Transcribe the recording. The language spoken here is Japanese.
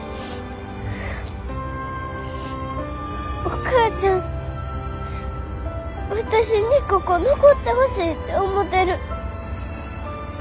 お母ちゃん私にここ残ってほしいて思てる。